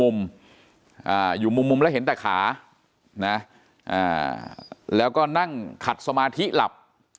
อยู่มุมแล้วเห็นแต่ขานะแล้วก็นั่งขัดสมาธิหลับ